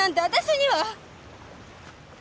私には！